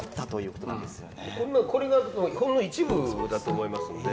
こんなこれがほんの一部だと思いますので。